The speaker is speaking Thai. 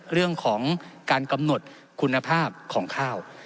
เรื่องของการกำหนดคุณภาพของข้าว